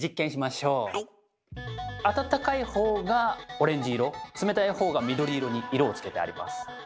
あたたかいほうがオレンジ色冷たいほうが緑色に色をつけてあります。